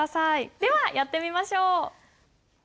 ではやってみましょう。